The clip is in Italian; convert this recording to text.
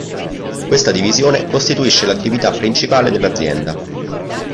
Questa divisione costituisce l'attività principale dell'azienda.